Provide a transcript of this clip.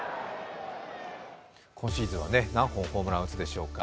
今シーズンは何本ホームラン打つでしょうか。